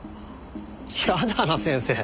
やだな先生。